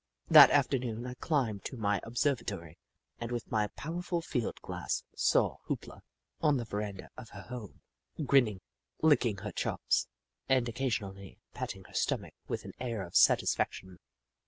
That afternoon, I climbed to my observatory, and with my powerful field glass saw Hoop La on the veranda of her home, grinning, licking her chops, and occasionally patting her stomach with an air of satisfaction.